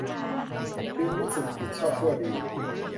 จึงรู้สึกผิดชอบชั่วดี